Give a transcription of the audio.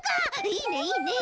いいねいいね。